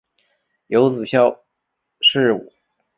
有子萧士赟。